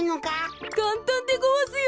かんたんでごわすよ。